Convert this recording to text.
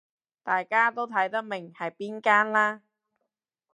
大家都睇得明係邊間啦